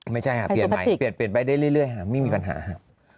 ไม่ใช่ฮะเปลี่ยนไปได้เรื่อยฮะไม่มีปัญหาฮะ